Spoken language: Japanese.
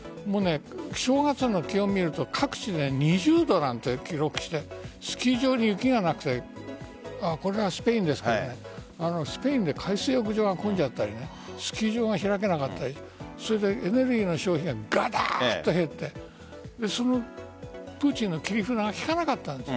正月の気温を見ると各地で２０度なんて記録してスキー場に雪がなくてこれはスペインですがスペインで海水浴場が混んじゃったりスキー場が開けなかったりエネルギーの消費がガタッと減ってプーチンの切り札が効かなかったんです。